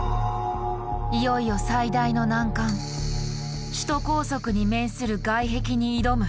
いよいよ最大の難関「首都高速に面する外壁」に挑む。